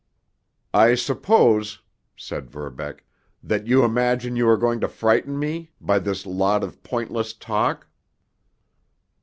"I suppose," said Verbeck, "that you imagine you are going to frighten me by this lot of pointless talk."